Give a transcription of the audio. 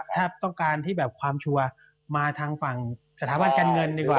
ถ้าต้องการที่แบบความชัวร์มาทางฝั่งสถาบันการเงินดีกว่า